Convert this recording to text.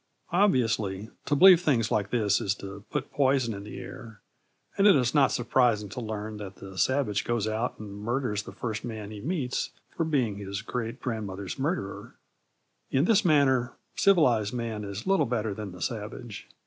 Obviously, to believe things like this is to put poison in the air, and it is not surprising to learn that the savage goes out and murders the first man he meets for being his great grandmother's murderer. In this matter civilised man is little better than the savage.